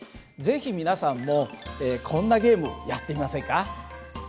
是非皆さんもこんなゲームやってみませんか？